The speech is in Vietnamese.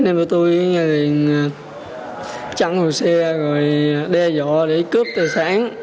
nên tôi chẳng hồ xe rồi đe dọa để cướp tài sản